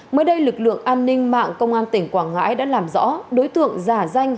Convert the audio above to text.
mới đây lực lượng an ninh mạng công an tỉnh quảng ngãi đã làm rõ đối tượng giả danh